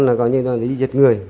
là gọi như là đi giết người